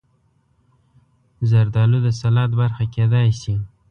زردالو د سلاد برخه کېدای شي.